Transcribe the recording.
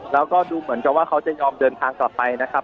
แล้วก็ดูเหมือนกับว่าเขาจะยอมเดินทางกลับไปนะครับ